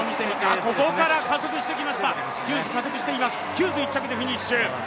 ヒューズ、１着でフィニッシュ。